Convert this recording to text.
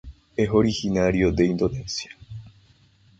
Es originario de Indonesia.